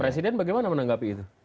presiden bagaimana menanggapi itu